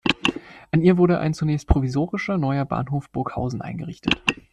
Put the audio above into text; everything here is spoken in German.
An ihr wurde ein zunächst provisorischer neuer Bahnhof Burghausen eingerichtet.